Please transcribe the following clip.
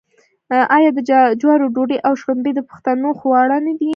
آیا د جوارو ډوډۍ او شړومبې د پښتنو خواړه نه دي؟